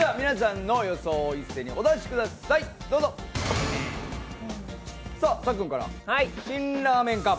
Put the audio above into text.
皆さんの予想を一斉にお出しください。